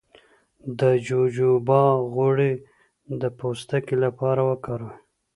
د جوجوبا غوړي د پوستکي لپاره وکاروئ